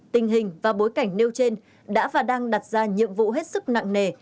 tình hình và bối cảnh nêu trên đã và đang đặt ra nhiệm vụ hết sức nặng nề